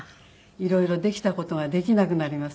色々できた事ができなくなりますね。